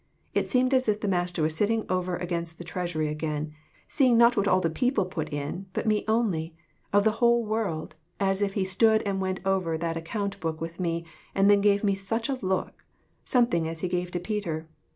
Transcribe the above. It seemed as if the Master was sitting over against the treasury again, and seeing, not what all the people put in, but me only, of the whole world, as if he stood and went over that account book with me, and then gave me such a look something as he gave to Peter.